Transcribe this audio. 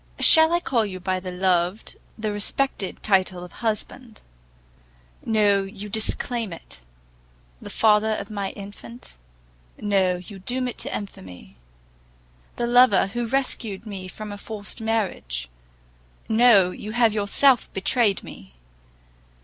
Shall I call you by the loved, the respected title of husband? No, you disclaim it! the father of my infant? No, you doom it to infamy! the lover who rescued me from a forced marriage? No, you have yourself betrayed me!